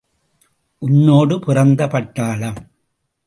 உன்னோடு பிறந்த பட்டாளம்!